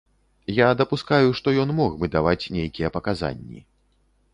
Я дапускаю, што ён мог бы даваць нейкія паказанні.